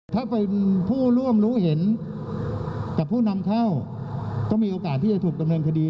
ถ้าเป็นผู้ร่วมรู้เห็นกับผู้นำเข้าก็มีโอกาสที่จะถูกดำเนินคดี